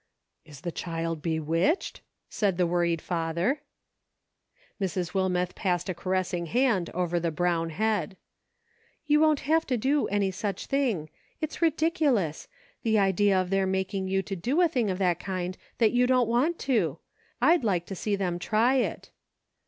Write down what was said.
" Is the child bewitched ?" said the worried father. Mrs. Wilmeth passed a caressing hand over the brown head. " You won't have to do any such thing. It's ridiculous. The idea of their making you do a thing of that kind that you don't want to ! I'd like to see them try it."